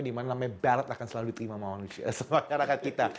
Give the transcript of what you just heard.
dimana sampai barat akan selalu diterima sama manusia sama karyakan kita